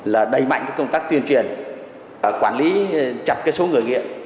là đầy mạnh công tác tuyên truyền quản lý chặt số người nghiệp